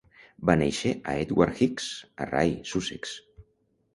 Va néixer a Edward Hicks a Rye, Sussex.